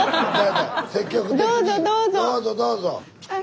どうぞどうぞ！